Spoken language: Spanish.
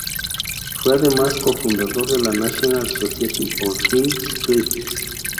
Fue además cofundador de la National Society of Film Critics.